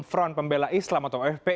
front pembela islam atau fpi